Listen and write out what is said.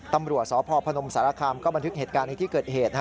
ตำรวจสพพนมสารคามก็บันทึกเหตุการณ์ในที่เกิดเหตุ